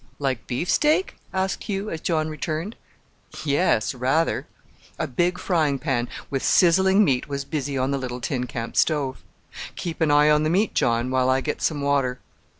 "Like beef steak?" asked Hugh, as John returned. "Yes rather." A big frying pan, with sizzling meat, was busy on the little tin camp stove. "Keep an eye on the meat, John, while I get some water."